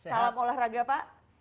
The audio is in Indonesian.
salam olahraga pak